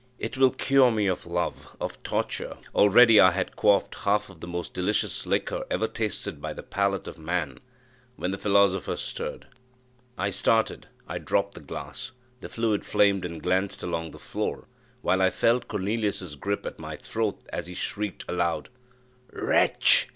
"It will cure me of love of torture!" Already I had quaffed half of the most delicious liquor ever tasted by the palate of man, when the philosopher stirred. I started I dropped the glass the fluid flamed and glanced along the floor, while I felt Cornelius's gripe at my throat, as he shrieked aloud, "Wretch!